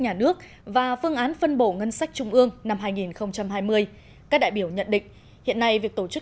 nhà nước và phương án phân bổ ngân sách trung ương năm hai nghìn hai mươi các đại biểu nhận định hiện nay việc tổ chức